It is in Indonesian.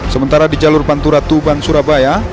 sementara di jalur pantura tuban surabaya